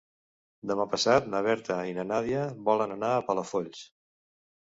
Demà passat na Berta i na Nàdia volen anar a Palafolls.